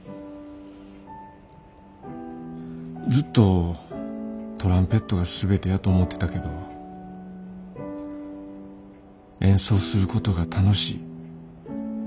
ずっとトランペットが全てやと思ってたけど演奏することが楽しい。